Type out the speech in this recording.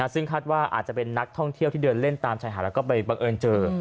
ซึ่งคาดว่าอาจจะเป็นนักท่องเที่ยวที่เดินเล่นตามชายหาดแล้วก็ไปบังเอิญเจอ